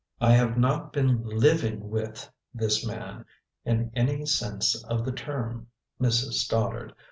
"I have not been 'living with' this man, in any sense of the term, Mrs. Stoddard.